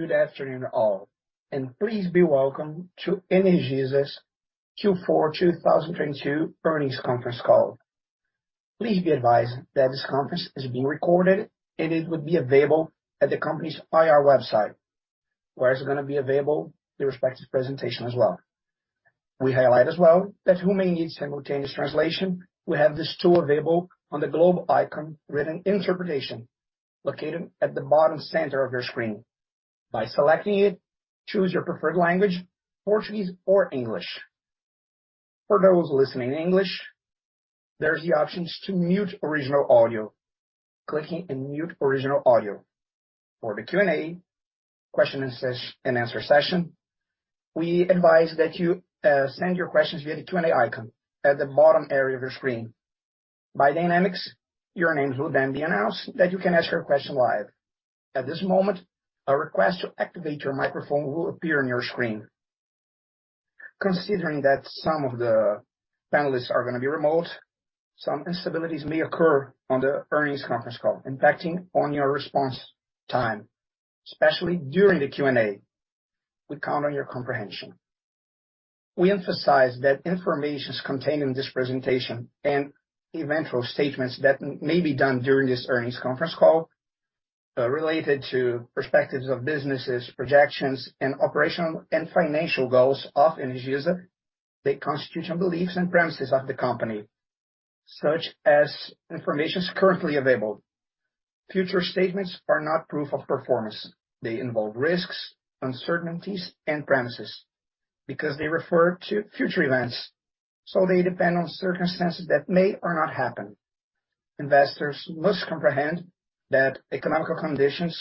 Good afternoon to all, please be welcome to Energisa's Q4 2022 earnings conference call. Please be advised that this conference is being recorded, and it will be available at the company's IR website, where it's going to be available, the respective presentation as well. We highlight as well that who may need simultaneous translation, we have this tool available on the globe icon written interpretation located at the bottom center of your screen. By selecting it, choose your preferred language, Portuguese or English. For those listening in English, there's the options to mute original audio, clicking in Mute Original Audio. For the Q&A, question and answer session, we advise that you send your questions via the Q&A icon at the bottom area of your screen. By dynamics, your names will then be announced that you can ask your question live. At this moment, a request to activate your microphone will appear on your screen. Considering that some of the panelists are gonna be remote, some instabilities may occur on the earnings conference call, impacting on your response time, especially during the Q&A. We count on your comprehension. We emphasize that informations contained in this presentation and eventual statements that may be done during this earnings conference call, related to perspectives of businesses, projections, and operational and financial goals of Energisa, they constitute on beliefs and premises of the company, such as informations currently available. Future statements are not proof of performance. They involve risks, uncertainties, and premises because they refer to future events, so they depend on circumstances that may or not happen. Investors must comprehend that economic conditions,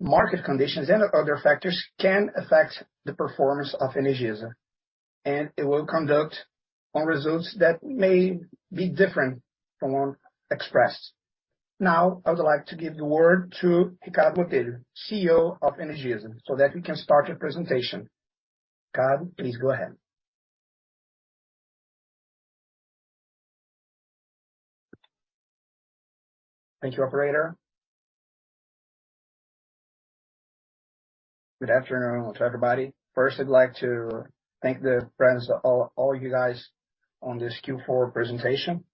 market conditions, and other factors can affect the performance of Energisa, and it will conduct on results that may be different from expressed. Now, I would like to give the word to Ricardo Botelho, CEO of Energisa, so that we can start the presentation. Ricardo, please go ahead. Thank you, operator. Good afternoon to everybody. First, I'd like to thank the presence of all you guys on this Q4 presentation.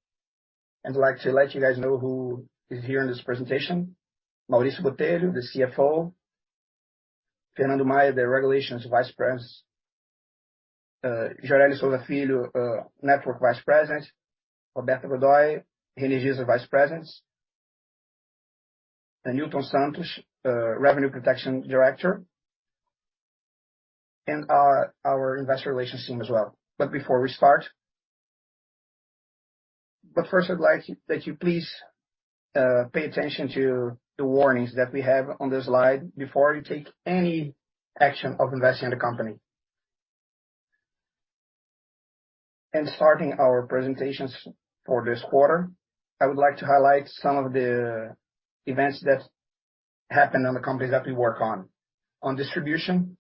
I'd like to let you guys know who is here in this presentation. Mauricio Botelho, the CFO. Fernando Maia, the Regulations Vice President. Gioreli de Sousa Filho, Network Vice President. Roberta Godoi, Energisa Vice President. Newton Santos, Revenue Protection Director. Our investor relations team as well. Before we start. First I'd like that you please pay attention to the warnings that we have on the slide before you take any action of investing in the company. Starting our presentations for this quarter, I would like to highlight some of the events that happened on the companies that we work on. On distribution,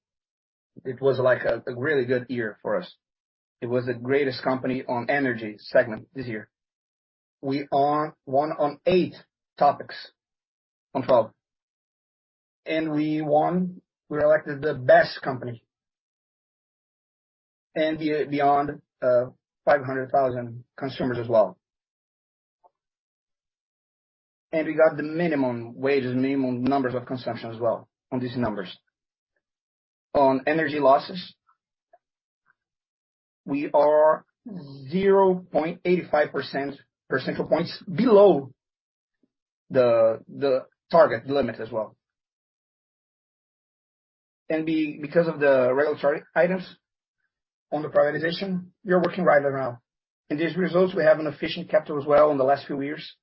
it was like a really good year for us. It was the greatest company on energy segment this year. We are one on eight topics on 12. We're elected the best company. Beyond 500,000 consumers as well. We got the minimum wages, minimum numbers of consumption as well on these numbers. On energy losses, we are 0.85 percentile points below the target limit as well. Because of the regulatory items on the privatization, we are working right around. In these results, we have an efficient capital as well in the last few years.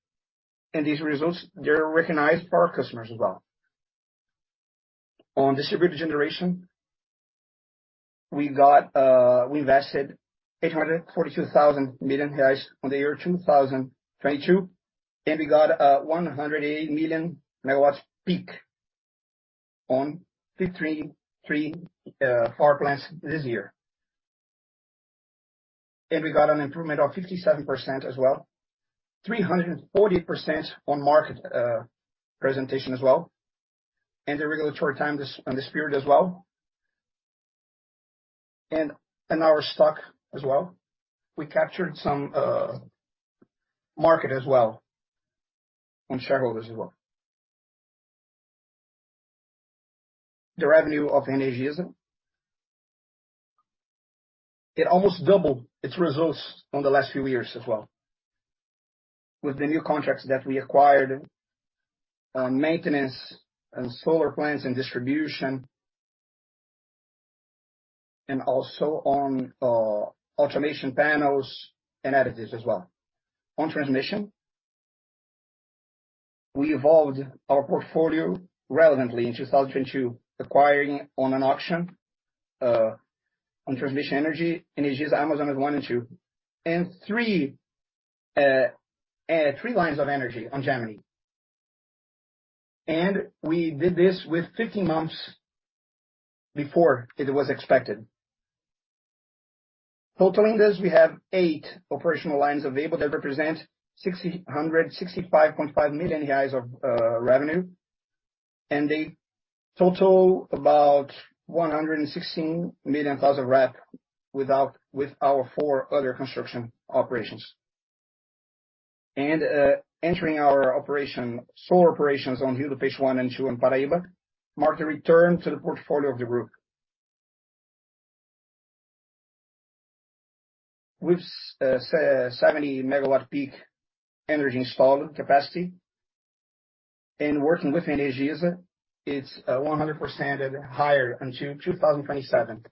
These results, they're recognized for our customers as well. On distributed generation, we got, we invested 842,000 million reais on the 2022, we got 108 MW million peak on 333 power plants this year. We got an improvement of 57% as well, 340% on market, presentation as well, and the regulatory time on this period as well. On our stock as well, we captured some, market as well, on shareholders as well. The revenue of Energisa, it almost doubled its results on the last few years as well. With the new contracts that we acquired on maintenance and solar plants and distribution, and also on automation panels and additives as well. On transmission, we evolved our portfolio relevantly in 2022, acquiring on an auction on transmission energy, Energisa Amazonas one and two, and three lines of energy on Gemini. We did this with 15 months before it was expected. Totaling this, we have eight operational lines available that represent 6,065.5 million reais of revenue, and they total about BRL 116 million, 1,000 RAP with our four other construction operations. Entering our operation, solar operations on Rio do Peixe I and II in Paraíba, mark the return to the portfolio of the group. With 70 MW peak energy installed capacity and working with Energisa, it's 100% and higher until 2027.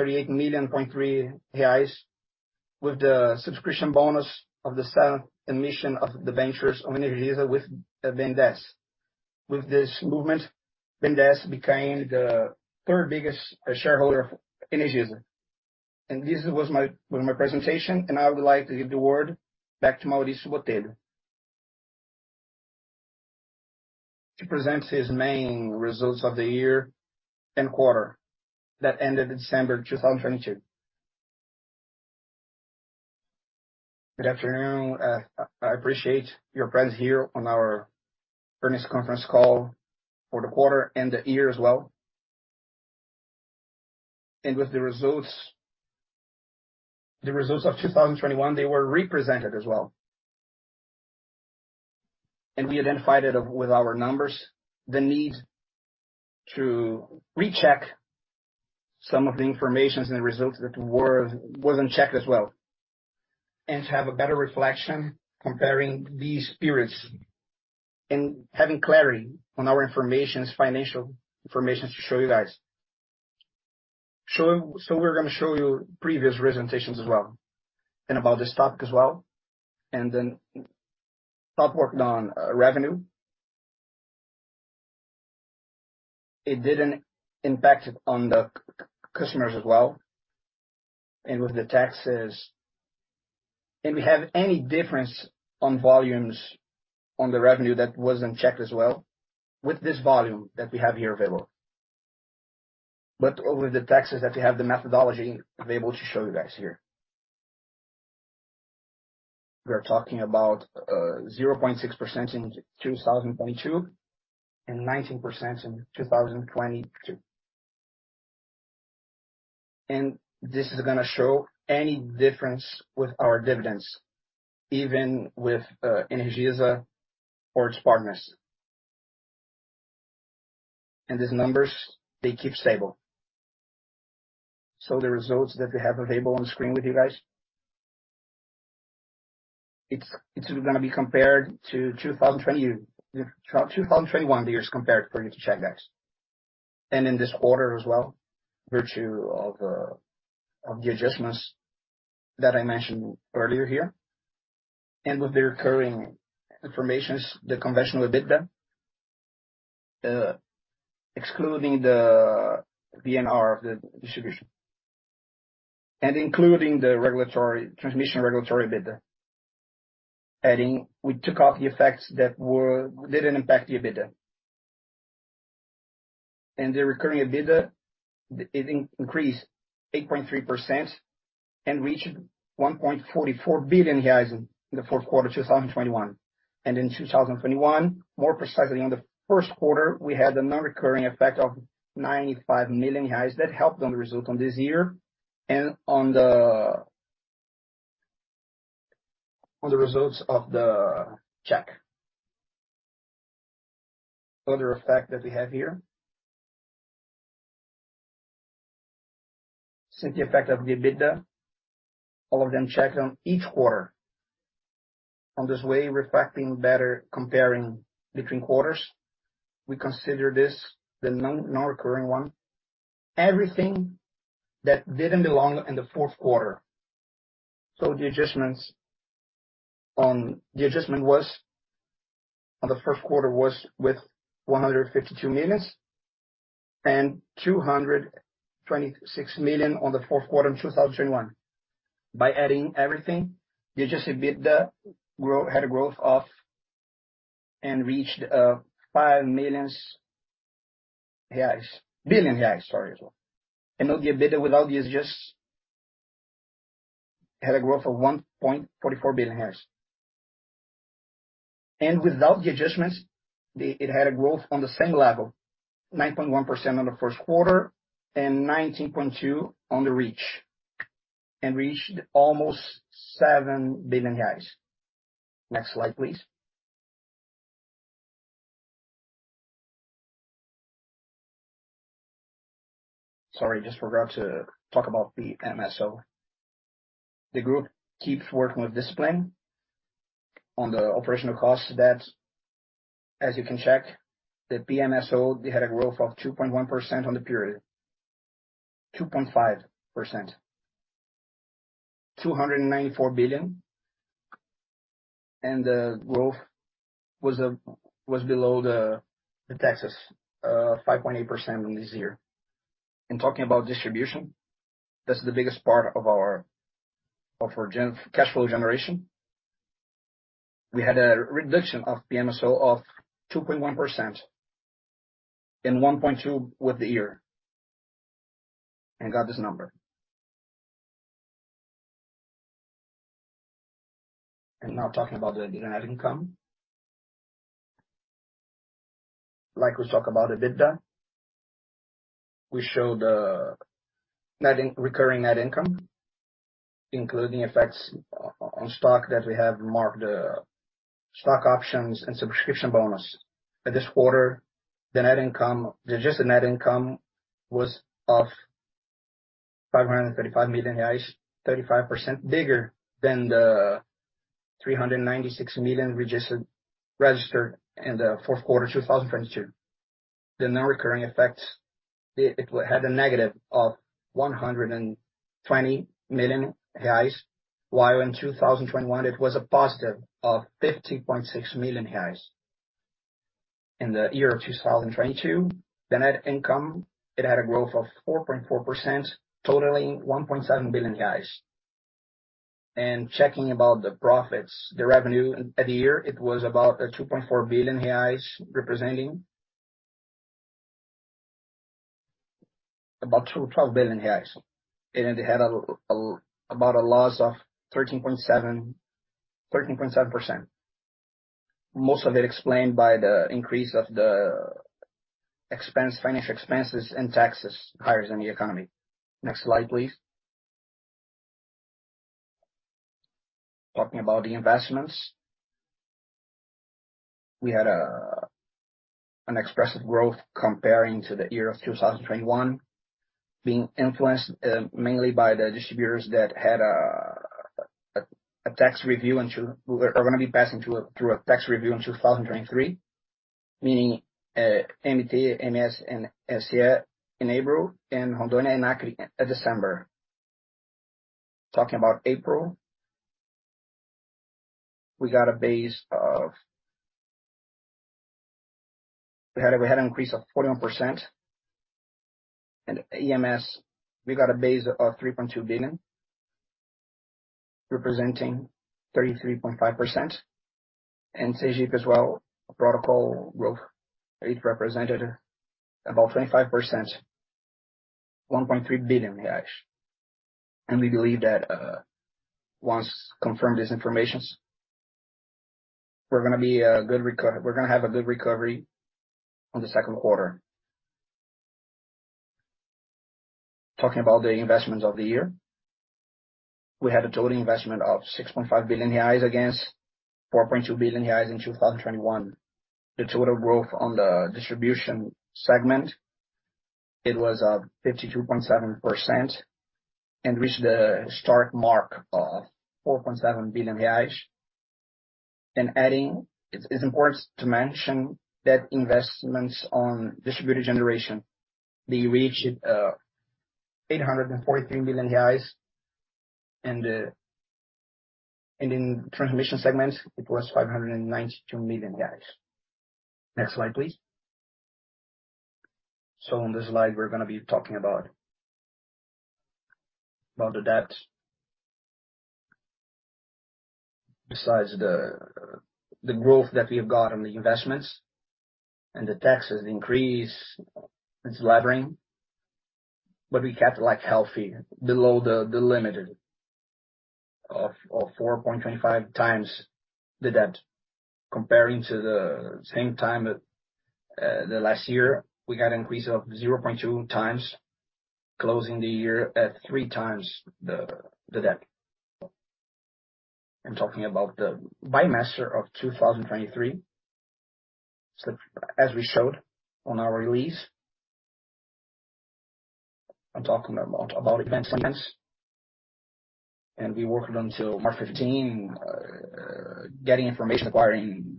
Also in 2002, we did an increase of capital of 738.3 million with the subscription bonus of the seventh emission of the ventures of Energisa with BNDES. With this movement, BNDES became the third biggest shareholder of Energisa. This was my presentation, and I would like to give the word back to Mauricio Botelho. To present his main results of the year and quarter that ended December 2022. Good afternoon, I appreciate your presence here on our earnings conference call for the quarter and the year as well. With the results of 2021, they were represented as well. We identified with our numbers, the need to recheck some of the information and the results that weren't checked as well, to have a better reflection comparing these periods and having clarity on our information, financial information to show you guys. We're going to show you previous presentations as well, and about this topic as well. Then start working on revenue. It didn't impact it on the customers as well, and with the Taxas. We have any difference on volumes on the revenue that was not checked as well, with this volume that we have here available. With the Taxas that we have the methodology available to show you guys here. We are talking about 0.6% in 2022, and 19% in 2022. This is gonna show any difference with our dividends, even with Energisa or its partners. These numbers, they keep stable. The results that we have available on screen with you guys. It's gonna be compared to 2021 years compared for you to check guys. In this order as well, virtue of the adjustments that I mentioned earlier here, and with the recurring informations, the conventional EBITDA, excluding the VNR of the distribution and including the transmission regulatory EBITDA. We took out the effects that didn't impact the EBITDA. The recurring EBITDA, it increased 8.3% and reached 1.44 billion reais in the fourth quarter 2021. In 2021, more precisely on the first quarter, we had a non-recurring effect of 95 millions reais that helped on the result on this year and on the, on the results of the check. Other effect that we have here. Since the effect of the EBITDA, all of them checked on each quarter. On this way, reflecting better comparing between quarters, we consider this the non-recurring one. Everything that didn't belong in the fourth quarter. The adjustment was, on the first quarter was with 152 millions and 226 million on the fourth quarter in 2021. By adding everything, the adjusted EBITDA had a growth of, and reached, 5 millions reais. Billion reais, sorry as well. Now the EBITDA without the adjust had a growth of 1.44 billion reais. Without the adjustments, it had a growth on the same level, 9.1% on the 1st quarter and 19.2% on the reach. Reached almost 7 billion reais. Next slide, please. Sorry, just forgot to talk about the PMSO. The group keeps working with discipline on the operational costs that, as you can check, the PMSO, they had a growth of 2.1% on the period. 2.5%. BRL 294 billion, the growth was below the Taxas, 5.8% on this year. Talking about distribution, that's the biggest part of our cash flow generation. We had a reduction of PMSO of 2.1% and 1.2% with the year and got this number. Now talking about the net income. Like we talk about EBITDA, we show the net recurring net income, including effects on stock that we have marked, stock options and subscription bonus. At this quarter, the adjusted net income was of 535 million, 35% bigger than the 396 million registered in the fourth quarter 2022. The non-recurring effects, it had a negative of 120 million reais, while in 2021 it was a positive of 50.6 million reais. In the year of 2022, the net income, it had a growth of 4.4%, totaling 1.7 billion. Checking about the profits, the revenue at the year, it was about 2.4 billion reais, representing about 12 billion reais. It had about a loss of 13.7%. Most of it explained by the increase of the expense, financial expenses and taxes higher than the economy. Next slide, please. Talking about the investments. We had an expressive growth comparing to the year of 2021, being influenced mainly by the distributors that had a tax review. We are gonna be passing through a tax review in 2023, meaning EMT, EMS and EAC in April, and Rondônia and Acre in December. Talking about April, we had an increase of 41%. In EMS, we got a base of 3.2 billion, representing 33.5%. CESP as well, protocol growth, it represented about 25%, 1.3 billion. We believe that, once confirmed this information, we're gonna have a good recovery on the second quarter. Talking about the investments of the year. We had a total investment of 6.5 billion reais against 4.2 billion reais in 2021. The total growth on the distribution segment, it was 52.7% and reached the start mark of 4.7 billion reais. Adding, it's important to mention that investments on distributed generation, they reached 843 million reais and in transmission segments it was 592 million. Next slide, please. On this slide, we're gonna be talking about the debt. Besides the growth that we have got on the investments and the taxes increase, it's levering. We kept, like, healthy below the limit of 4.25x the debt. Comparing to the same time at the last year, we got an increase of 0.2x, closing the year at 3x the debt. I'm talking about the bimester of 2023. As we showed on our release. I'm talking about investments. We worked until March 15, getting information, acquiring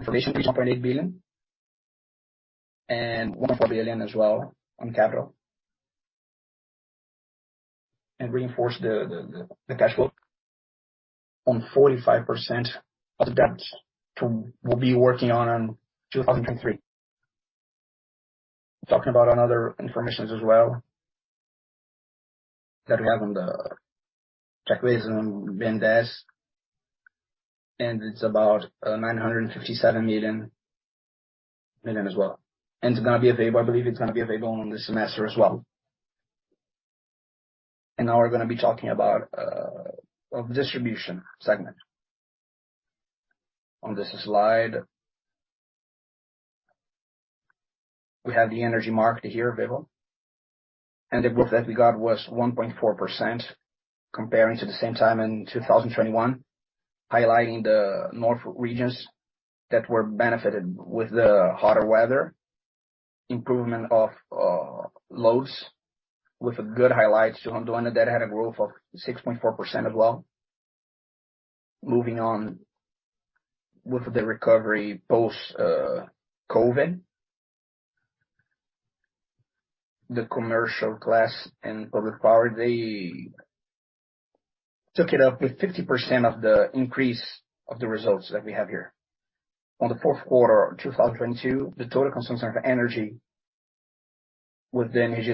information, 3.8 billion and 1.4 billion as well on capital. Reinforce the cash flow on 45% of the debt to we'll be working on 2023. Talking about on other informations as well, that we have on the Energisa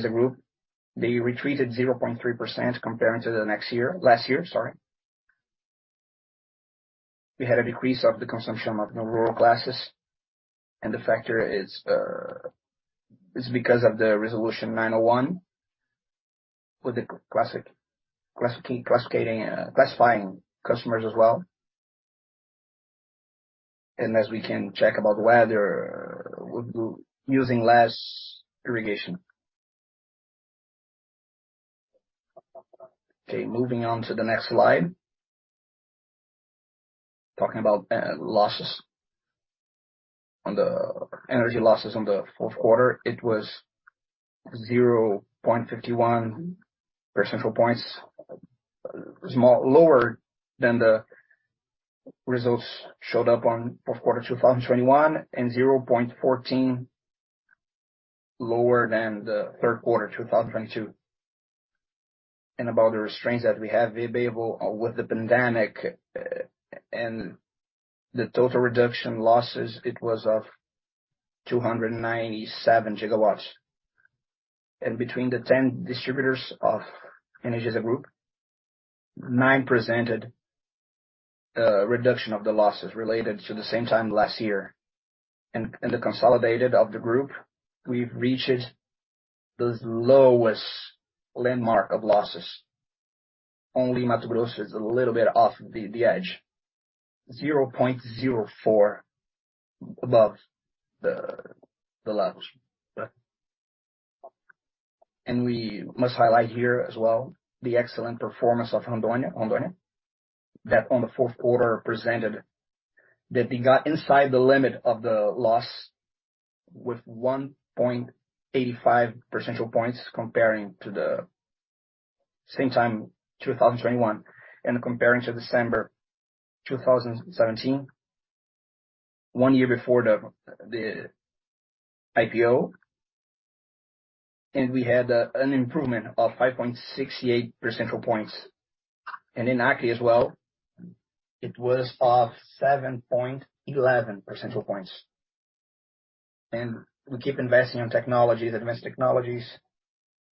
Group, they retreated 0.3% comparing to the last year, sorry. We had a decrease of the consumption of non-rural classes. The factor is because of the resolution 901 with the classifying customers as well. As we can check about weather, we using less irrigation. Okay, moving on to the next slide. Talking about losses. On the energy losses on the fourth quarter, it was 0.51 percentage points, lower than the results showed up on fourth quarter 2021 and 0.14 percentage points lower than the third quarter 2022. About the restraints that we have available with the pandemic, and the total reduction losses, it was of 297 GW. Between the 10 distributors of Energisa Group, nine presented reduction of the losses related to the same time last year. The consolidated of the Group, we've reached those lowest landmark of losses. Only Mato Grosso is a little bit off the edge, 0.04 above the levels. We must highlight here as well the excellent performance of Rondônia, that on the fourth quarter presented that they got inside the limit of the loss with 1.85 percentage points comparing to the same time, 2021. Comparing to December 2017, one year before the IPO, we had an improvement of 5.68 percentage points. In Acre as well, it was of 7.11 percentage points. We keep investing on technology, the advanced technologies,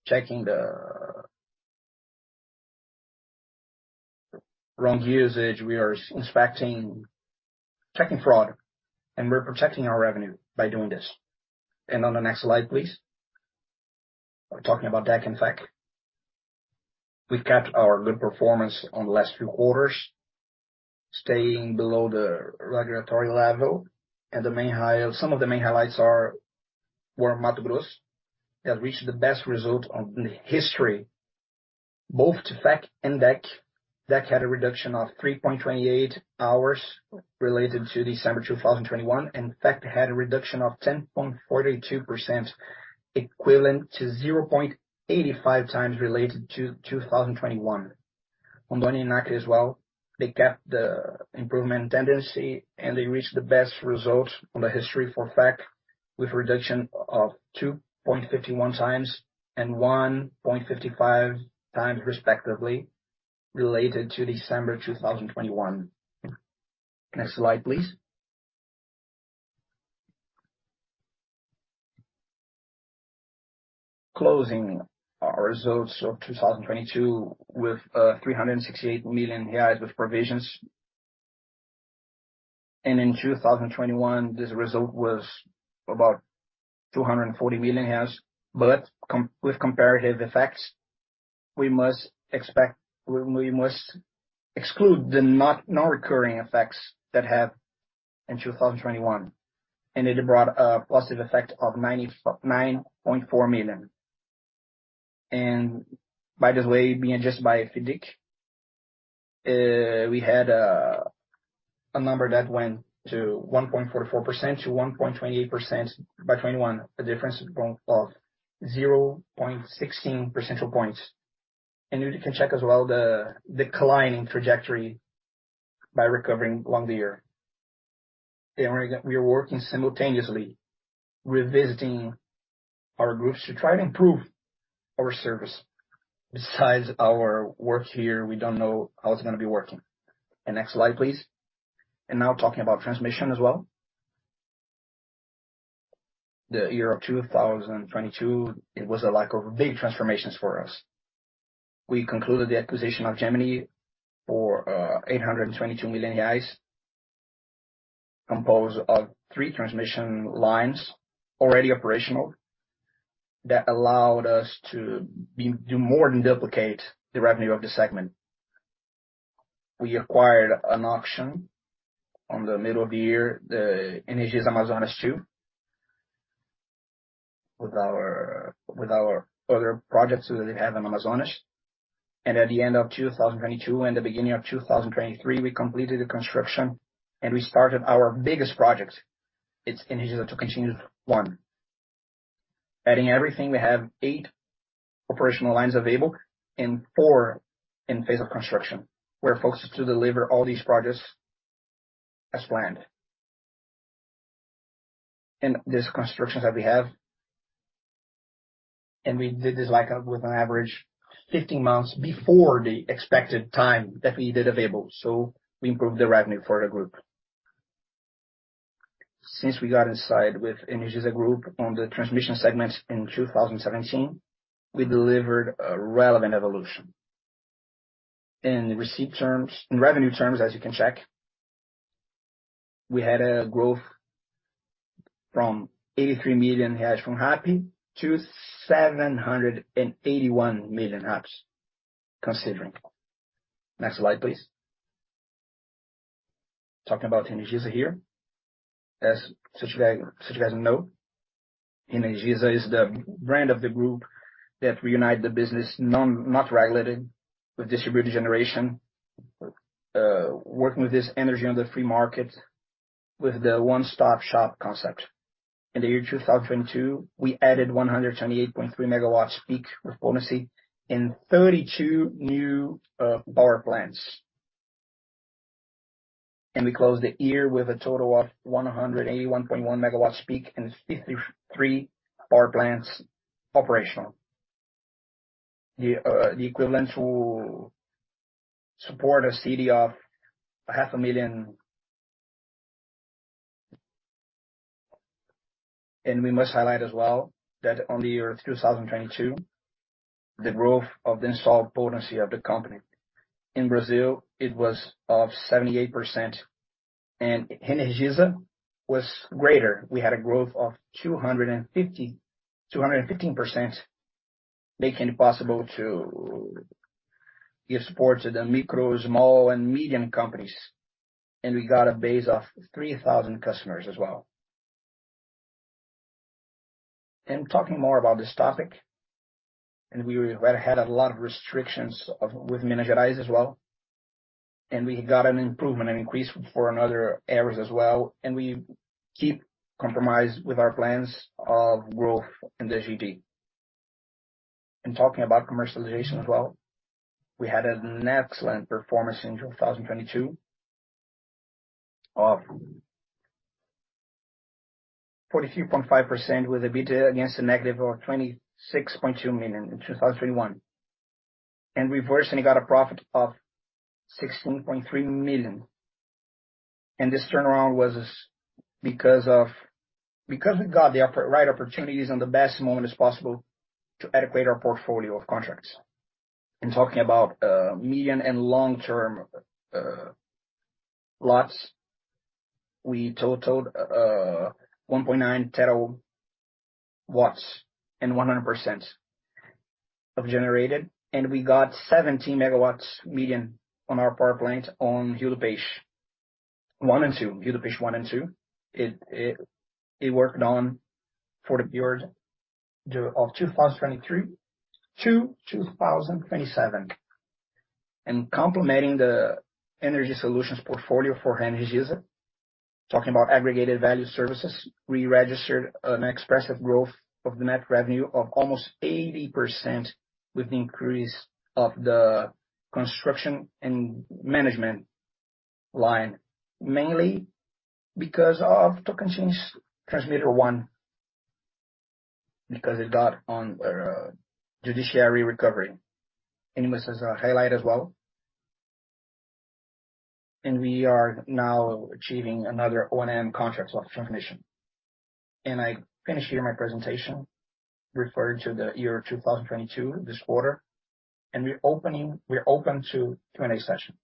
checking the wrong usage, we are checking fraud, we're protecting our revenue by doing this. On the next slide, please. We're talking about DEC and FEC. We've kept our good performance on the last few quarters, staying below the regulatory level. Some of the main highlights were Mato Grosso, that reached the best result on the history, both to FEC and DEC. DEC had a reduction of 3.28 hours related to December 2021, and FEC had a reduction of 10.42%, equivalent to 0.85x related to 2021. Rondônia and Acre as well, they kept the improvement tendency, and they reached the best result on the history for FEC, with reduction of 2.51x and 1.55x respectively, related to December 2021. Next slide, please. Closing our results of 2022 with 368 million reais with provisions. In 2021, this result was about 240 million. With comparative effects, we must exclude no recurring effects that have in 2021. It brought a positive effect of 9.4 million. By this way, being adjusted by FIDC, we had a number that went to 1.44%-1.28% by 2021, a difference of 0.16 percentage points. You can check as well the declining trajectory by recovering along the year. We're working simultaneously, revisiting our groups to try to improve our service. Besides our work here, we don't know how it's gonna be working. Next slide, please. Now talking about transmission as well. The year of 2022, it was a lot of big transformations for us. We concluded the acquisition of Gemini for 822 million reais, composed of three transmission lines already operational, that allowed us to do more than duplicate the revenue of the segment. We acquired an auction on the middle of the year, the Energisa Amazonas 2, with our other projects that we have in Amazonas. At the end of 2022 and the beginning of 2023, we completed the construction, and we started our biggest project, it's Energisa Tucumã 1. Adding everything, we have eight operational lines available and four in phase of construction. We're focused to deliver all these projects as planned. These constructions that we have, and we did this like, with an average 15 months before the expected time that we did available, so we improved the revenue for the group. We got inside with Energisa Group on the transmission segment in 2017, we delivered a relevant evolution. In revenue terms, as you can check, we had a growth from 83 million from happy to 781 million reais considering. Next slide, please. Talking about Energisa here. You guys know, Energisa is the brand of the group that reunite the business not regulated with Distributed Generation, working with this energy on the free market with the one-stop shop concept. In the year 2002, we added 128.3 MW peak of potency and 32 new power plants. We closed the year with a total of 181.1 MW peak and 53 power plants operational. The equivalent to support a city of 500,000. We must highlight as well that on the year 2022, the growth of the installed potency of the company. In Brazil, it was of 78%, and Energisa was greater. We had a growth of 215%, making it possible to give support to the micro, small, and medium companies. We got a base of 3,000 customers as well. Talking more about this topic, we had a lot of restrictions with Minas Gerais as well. We got an improvement, an increase for another areas as well, and we keep compromised with our plans of growth in the GD. Talking about commercialization as well, we had an excellent performance in 2022 of 42.5% with EBITDA against a negative of 26.2 million in 2021. We've recently got a profit of 16.3 million. This turnaround was because we got the right opportunities and the best moment as possible to adequate our portfolio of contracts. Talking about medium and long-term lots, we totaled 1.9 TW and 100% of generated, and we got 17 MW median on our power plant on Rio do Peixe I and II. It worked on for the period of 2023-2027. Complementing the energy solutions portfolio for Energisa, talking about aggregated value services, we registered an expressive growth of the net revenue of almost 80% with the increase of the construction and management line, mainly because of Tocantins Transmitter I, because it got on judiciary recovery. This is a highlight as well. We are now achieving another O&M contract of transmission. I finish here my presentation referring to the year 2022 this quarter, and we're open to Q&A session.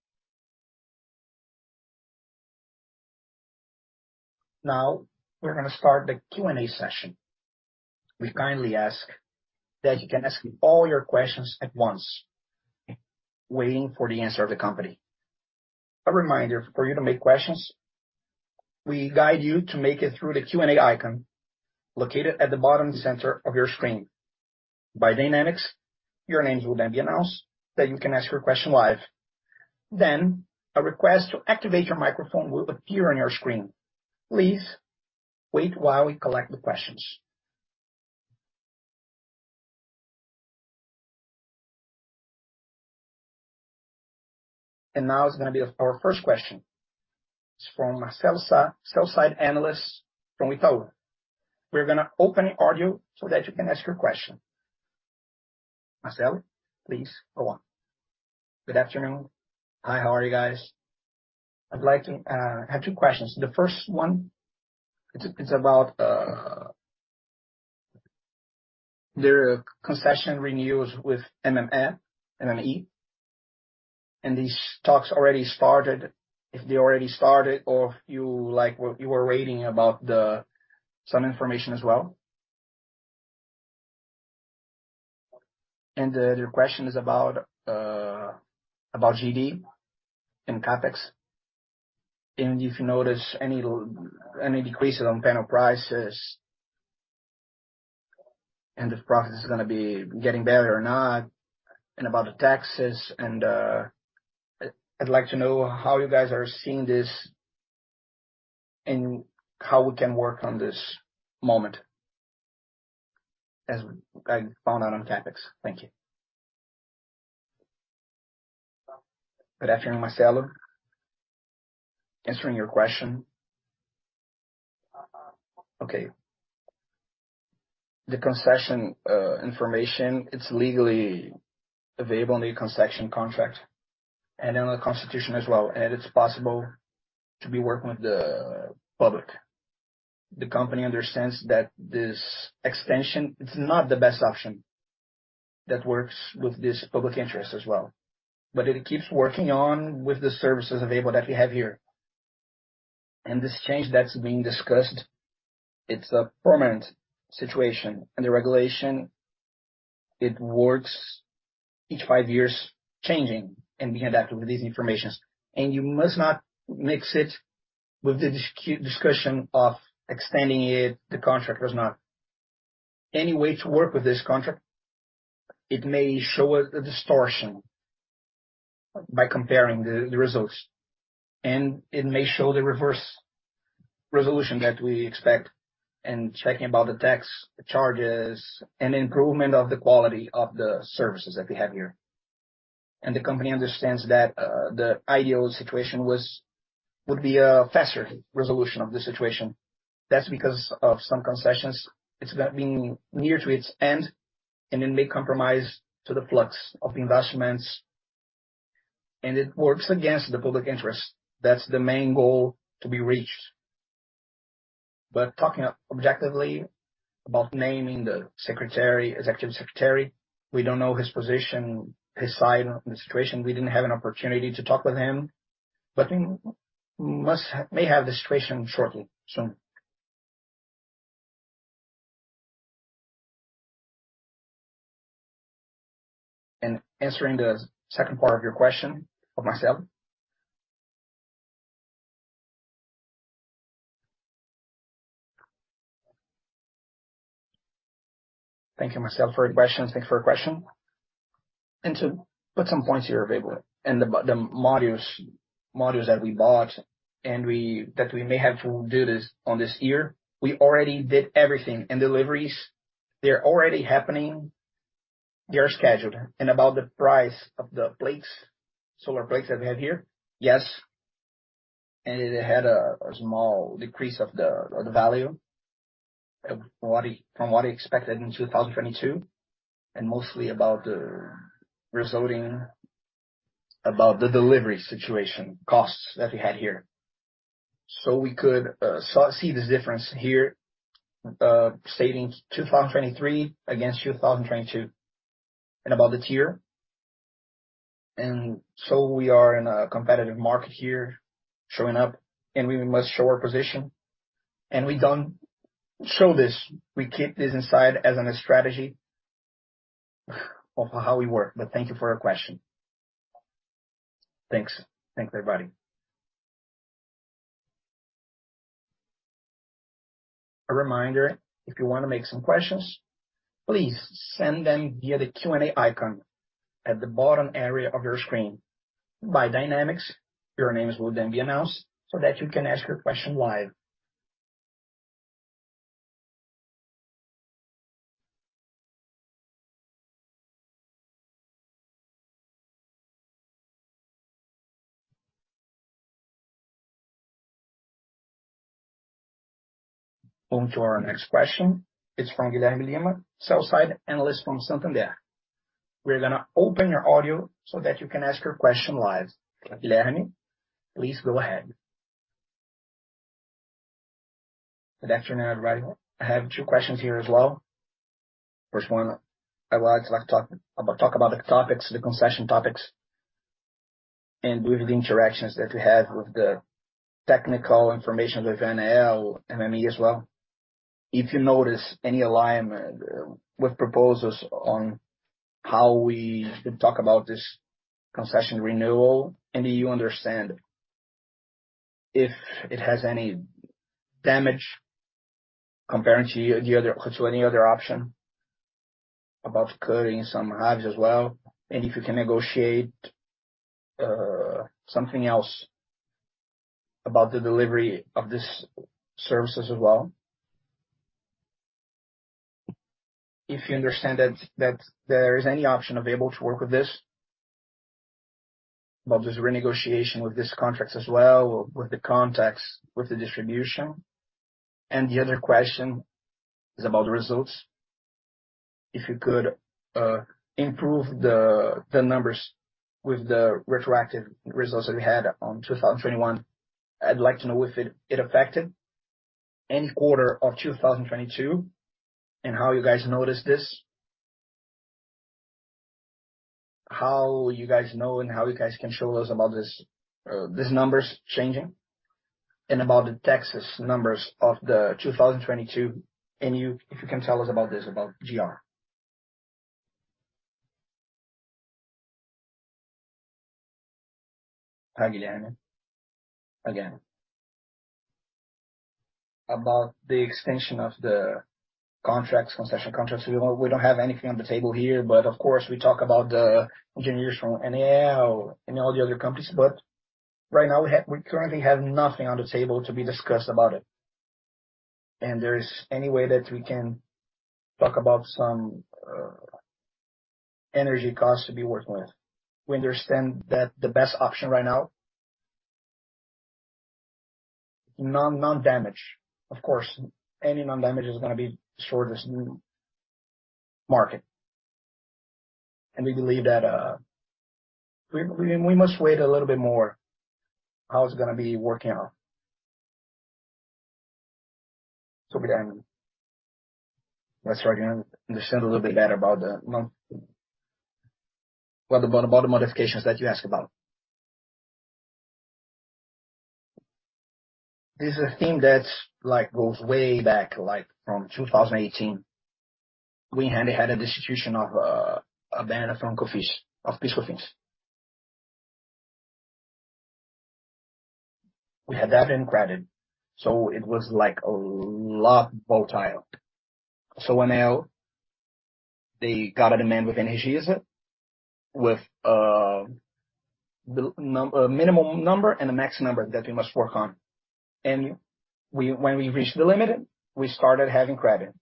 Now we're going to start the Q&A session. We kindly ask that you can ask all your questions at once, waiting for the answer of the company. A reminder, for you to make questions, we guide you to make it through the Q&A icon located at the bottom center of your screen. By dynamics, your names will then be announced that you can ask your question live. A request to activate your microphone will appear on your screen. Please wait while we collect the questions. Now it's going to be our first question. It's from Marcelo Sá, Sell-side Analyst from Itaú. We're going to open the audio so that you can ask your question. Marcelo, please go on. Good afternoon. Hi, how are you guys? I'd like to, I have two questions. The first one it's about their concession renewals with MME, and these talks already started. If they already started or if you like what you are reading about the some information as well. The other question is about GD and CapEx, and if you notice any decreases on panel prices. If profits is gonna be getting better or not, and about the Taxas and, I'd like to know how you guys are seeing this and how we can work on this moment as I found out on CapEx. Thank you. Good afternoon, Marcelo. Answering your question. Okay. The concession information, it's legally available in the concession contract and in the constitution as well, and it's possible to be working with the public. The company understands that this extension, it's not the best option that works with this public interest as well. It keeps working on with the services available that we have here. This change that's being discussed, it's a permanent situation, and the regulation, it works each five years changing and being adapted with these informations. You must not mix it with the discussion of extending it, the contract was not. Any way to work with this contract, it may show a distortion by comparing the results, and it may show the reverse resolution that we expect and checking about the tax charges and improvement of the quality of the services that we have here. The company understands that the ideal situation was, would be a faster resolution of the situation. That's because of some concessions, it's being near to its end, and it may compromise to the flux of the investments, and it works against the public interest. That's the main goal to be reached. Talking objectively about naming the secretary, executive secretary, we don't know his position, his side of the situation. We didn't have an opportunity to talk with him, but we may have the situation shortly, soon. Answering the second part of your question for Marcelo. Thank you, Marcelo, for your question. Thanks for your question. To put some points here available, the modules that we bought that we may have to do this on this year, we already did everything. Deliveries, they're already happening, they're scheduled. About the price of the plates, solar plates that we have here, yes, it had a small decrease of the value from what we expected in 2022, and mostly about the resulting, about the delivery situation costs that we had here. We could see this difference here, stating 2023 against 2022 and about the tier. We are in a competitive market here showing up, and we must show our position. We don't show this. We keep this inside as on a strategy of how we work, but thank you for your question. Thanks. Thank you, everybody. A reminder, if you wanna make some questions, please send them via the Q&A icon at the bottom area of your screen. By dynamics, your names will then be announced so that you can ask your question live. On to our next question. It's from Guilherme Lima, sell-side analyst from Santander. We're gonna open your audio so that you can ask your question live. Guilherme, please go ahead. Good afternoon, everybody. I have two questions here as well. First one, I would like to talk about the topics, the concession topics and with the interactions that we have with the technical information with ANEEL, MME as well. If you notice any alignment with proposals on how we could talk about this concession renewal, and do you understand if it has any damage comparing to any other option about cutting some hubs as well, and if you can negotiate something else about the delivery of these services as well. If you understand that there is any option available to work with this, about this renegotiation with these contracts as well, with the contacts, with the distribution. The other question is about the results. If you could improve the numbers with the retroactive results that we had on 2021. I'd like to know if it affected any quarter of 2022 and how you guys noticed this. How you guys know and how you guys can show us about these numbers changing, and about the Taxas numbers of 2022, if you can tell us about this, about GR. Hi, Guilherme. About the extension of the contracts, concession contracts, we don't have anything on the table here, but of course, we talk about the engineers from ANEEL and all the other companies. Right now, we currently have nothing on the table to be discussed about it. There is any way that we can talk about some energy costs to be worked with. We understand that the best option right now non-damage. Of course, any non-damage is gonna be the shortest market. We believe that we must wait a little bit more how it's gonna be working out. Again, let's try to understand a little bit better about the modifications that you asked about. This is a thing that's like goes way back, like from 2018. We had a distribution of a ban of frontal fish, of PIS/COFINS. We had that in credit, it was like a lot volatile. When now they got a demand with Energisa with the minimum number and a max number that we must work on. When we reached the limit, we started having credit.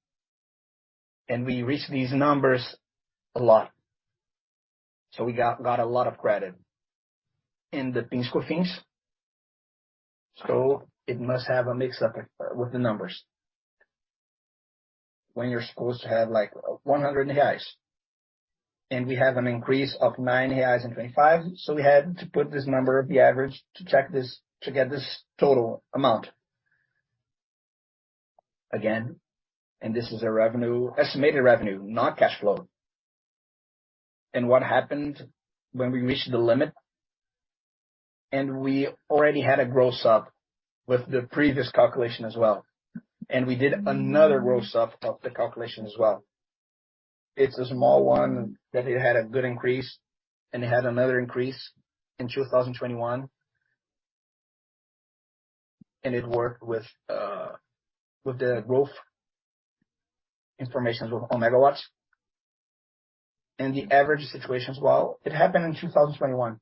We reached these numbers a lot. We got a lot of credit in the PIS/COFINS. It must have a mix-up with the numbers. When you're supposed to have like 100 HIs, we have an increase of nine HIs and 25, we had to put this number of the average to check this, to get this total amount. Again, this is a revenue, estimated revenue, not cash flow. What happened when we reached the limit, and we already had a gross up with the previous calculation as well. We did another gross up of the calculation as well. It's a small one that it had a good increase, and it had another increase in 2021. It worked with the growth informations on megawatts. The average situation as well, it happened in 2021.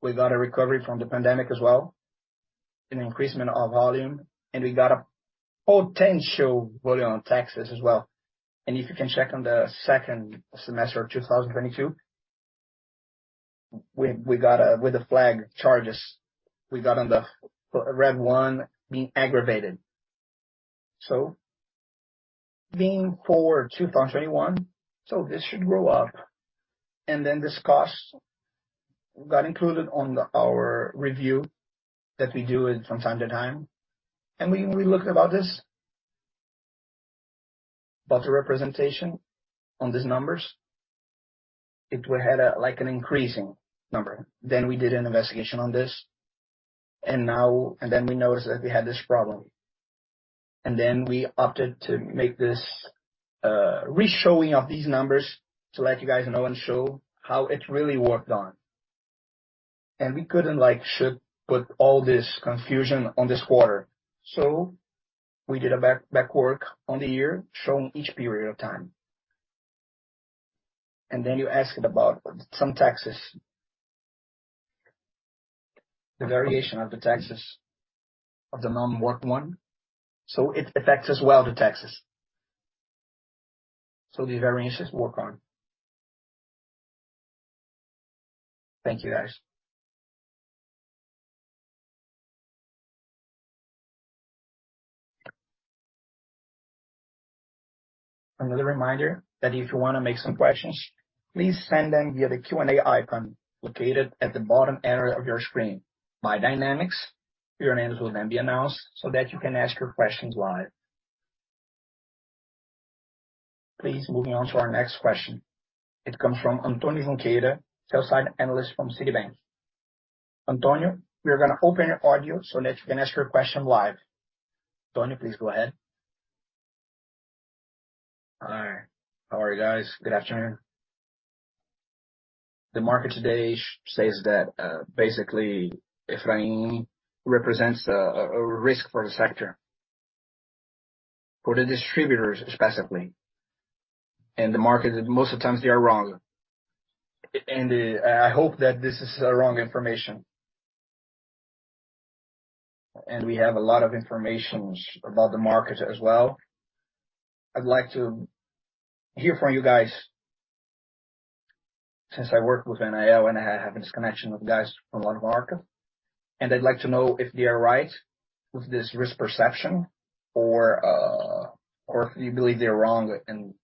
We got a recovery from the pandemic as well, an increase in our volume, and we got a potential volume on taxes as well. If you can check on the second semester of 2022, we got a with the flag charges, we got on the red one being aggravated. Being for 2021, so this should grow up. This cost got included on our review that we do it from time to time. We looked about this, about the representation on these numbers. We had like an increasing number. We did an investigation on this. We noticed that we had this problem. We opted to make this re-showing of these numbers to let you guys know and show how it really worked on. We couldn't, like, should put all this confusion on this quarter. We did a back work on the year, showing each period of time. You asked about some Taxas. The variation of the Taxas, of the non-worked one. It affects as well, the Taxas. The variances work on. Thank you, guys. Another reminder that if you wanna make some questions, please send them via the Q&A icon located at the bottom area of your screen. By dynamics, your names will then be announced so that you can ask your questions live. Please, moving on to our next question. It comes from Antonio Junqueira, Sell-Side Analyst from Citi. Antonio, we are gonna open your audio so that you can ask your question live. Antonio, please go ahead. Hi. How are you guys? Good afternoon. The market today says that, basically Efrain represents a risk for the sector, for the distributors specifically. The market, most of the times they are wrong. I hope that this is a wrong information. We have a lot of informations about the market as well. I'd like to hear from you guys, since I work with ANEEL and I have this connection with guys from Catamarca, and I'd like to know if they are right with this risk perception or if you believe they're wrong and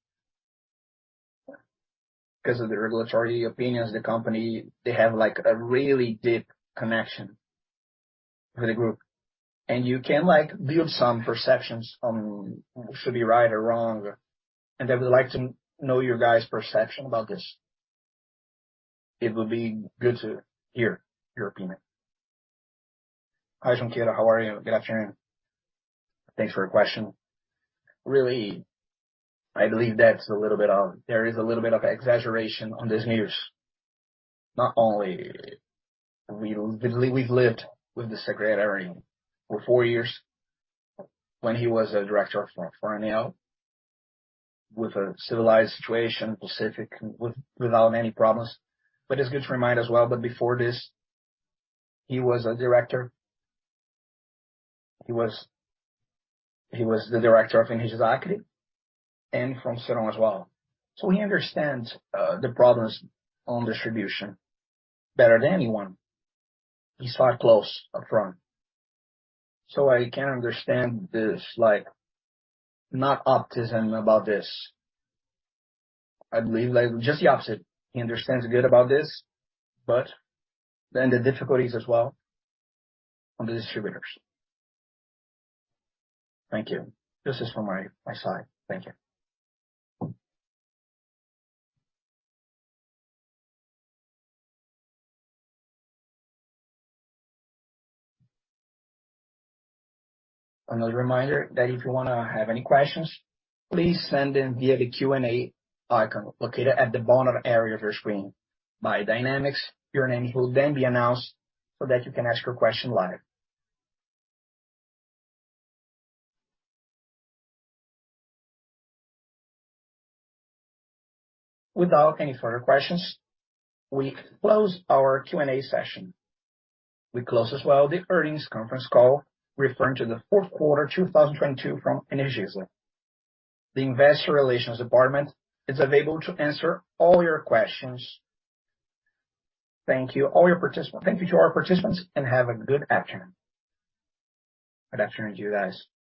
because of the regulatory opinions, the company, they have like a really deep connection with the group. You can like build some perceptions from should be right or wrong. I would like to know your guys' perception about this. It would be good to hear your opinion. Hi, Junqueira. How are you? Good afternoon. Thanks for your question. Really, I believe there is a little bit of exaggeration on these news. Not only we've lived with the secretary for four years when he was a director for ANEEL, with a civilized situation, specific, without many problems. It's good to remind as well that before this, he was a director. He was the director of Energisa Acre, and from Ceron as well. He understands the problems on distribution better than anyone. He's far close upfront. I can't understand this, like, not optimism about this. I believe, like, just the opposite. He understands good about this, the difficulties as well on the distributors. Thank you. This is from my side. Thank you. Another reminder that if you wanna have any questions, please send them via the Q&A icon located at the bottom area of your screen. By dynamics, your name will then be announced so that you can ask your question live. Without an y further questions, we close our Q&A session We close as well the earnings conference call referring to the fourth quarter 2022 from Energisa. The investor relations department is available to answer all your questions. Thank you to our participants, and have a good afternoon. Good afternoon to you guys.